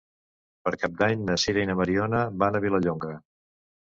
Per Cap d'Any na Sira i na Mariona van a Vilallonga.